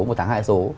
một tháng hai số